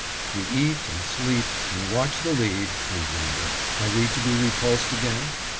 We eat, and sleep, and watch the lead, and wonder. Are we to be repulsed again?